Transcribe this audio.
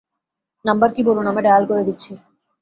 Number কী বলুন, আমি ডায়াল করে দিচ্ছি।